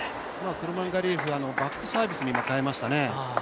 クルマンガリエフはバックサービスに今、変えましたね。